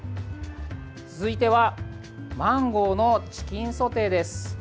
続いてはマンゴーのチキンソテーです。